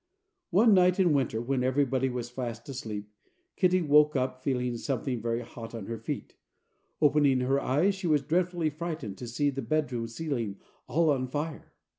One night in winter, when everybody was fast asleep, Kitty woke up feeling something very hot on her feet. Opening her eyes she was dreadfully frightened to see the bedroom ceiling all on fire.